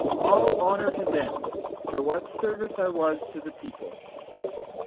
All honor to them For what service I was to the people!